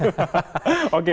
oke kita akan